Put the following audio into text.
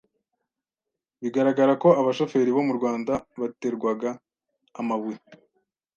bigaragara ko abashoferi bo mu Rwanda baterwaga amabuye